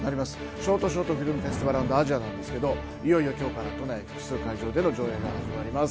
「ショートショートフィルムフェスティバル＆アジア」なんですけれども、いよいよきょうから都内複数会場での上映が始まります。